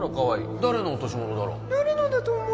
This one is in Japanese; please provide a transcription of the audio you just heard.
誰のだと思う？